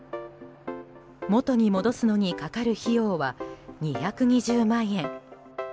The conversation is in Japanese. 元に戻すのにかかる費用は２２０万円。